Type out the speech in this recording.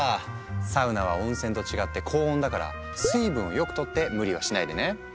サウナは温泉と違って高温だから水分をよくとって無理はしないでね。